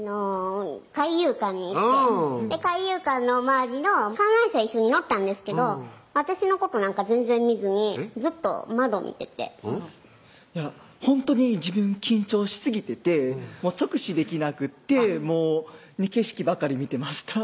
海遊館に行って海遊館の周りの観覧車一緒に乗ったんですけど私のことなんか全然見ずにずっと窓見ててほんとに自分緊張しすぎてて直視できなくってもう景色ばかり見てました